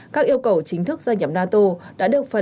các yêu cầu chính thức gia nhập nato đã được phần